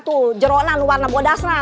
tuh jeruk warna bodas nah